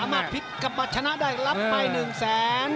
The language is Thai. สามารถพลิกกับชนะได้รับไป๑แสน